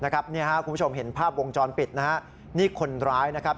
คุณผู้ชมเห็นภาพวงจรปิดนะฮะนี่คนร้ายนะครับ